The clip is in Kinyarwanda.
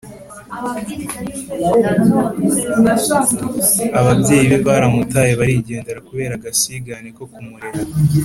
ababyeyi be baramutaye barigendera kubera agasigane ko kumurera